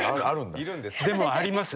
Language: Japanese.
でもあります。